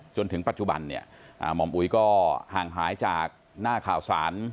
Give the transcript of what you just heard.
จนถึงปัจจุบันเนี่ยหม่อมอุ๋ยก็ห่างหายจากหน้าข่าวสาร